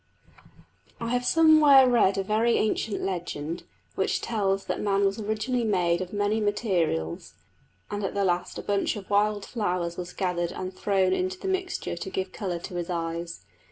I have somewhere read a very ancient legend, which tells that man was originally made of many materials, and that at the last a bunch of wild flowers was gathered and thrown into the mixture to give colour to his eyes.